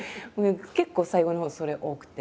結構最後のほうそれ多くて。